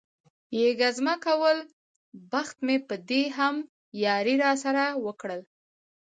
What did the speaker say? یې ګزمه کول، بخت مې په دې هم یاري را سره وکړل.